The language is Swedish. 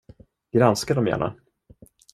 Granska dem gärna.